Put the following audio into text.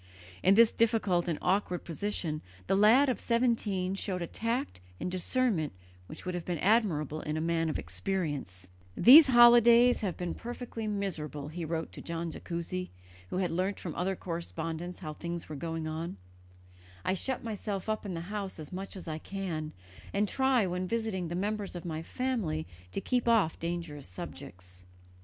In this difficult and awkward position the lad of seventeen showed a tact and discernment which would have been admirable in a man of experience, "These holidays have been perfectly miserable," he wrote to Don Jacuzzi, who had learnt from other correspondents how things were going on; "I shut myself up in the house as much as I can and try when visiting the members of my family to keep off dangerous subjects."